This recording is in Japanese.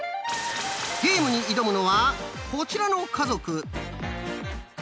ゲームに挑むのはこちらの家族。